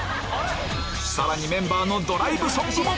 さらにメンバーのドライブソングも！